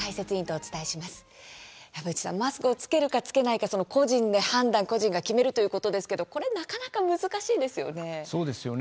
籔内さん、マスクを着けるか着けないか個人で判断個人が決めるということですけどこれ、なかなか難しいですよね。